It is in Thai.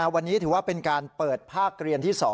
วันนี้ถือว่าเป็นการเปิดภาคเรียนที่๒